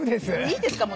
いいですか？